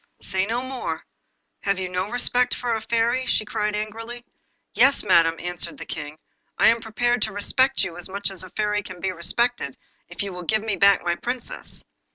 'Say no more. Have you no respect for a Fairy?' cried she angrily. 'Yes, madam,' answered the King, 'I am prepared to respect you as much as a Fairy can be respected, if you will give me back my Princess.